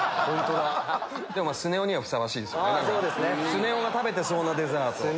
スネ夫が食べてそうなデザート。